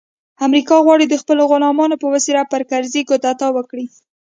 امریکا غواړي د خپلو غلامانو په وسیله پر کرزي کودتا وکړي